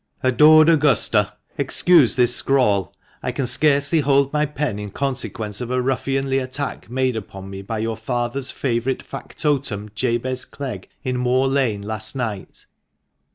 "Adored Augusta, "Excuse this scrawl; I can scarcely hold my pen in consequence of a ruffianly attack made upon me by your father's favourite factotum, Jabez Clegg, in Moor Lane last night.